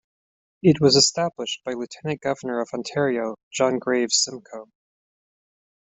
It was established by Lieutenant Governor of Ontario John Graves Simcoe.